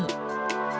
karya seni seperti ini